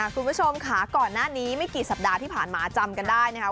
คุณผู้ชมค่ะก่อนหน้านี้ไม่กี่สัปดาห์ที่ผ่านมาจำกันได้นะครับ